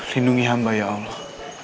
lindungi hamba ya allah